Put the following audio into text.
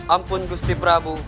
ampun ustin prabu